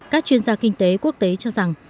các chuyên gia kinh tế quốc tế cho rằng